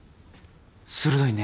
鋭いね。